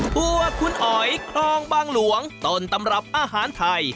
บัวคุณอ๋อยคลองบางหลวงต้นตำรับอาหารไทย